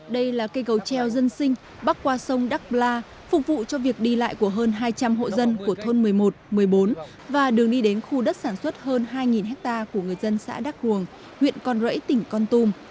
đây là cây cầu treo dân sinh bắc qua sông đắk bla phục vụ cho việc đi lại của hơn hai trăm linh hộ dân của thôn một mươi một một mươi bốn và đường đi đến khu đất sản xuất hơn hai ha của người dân xã đắk ruồng huyện con rẫy tỉnh con tum